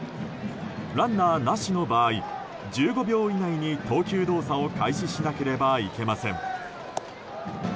ランナーなしの場合１５秒以内に投球動作を開始しなければいけません。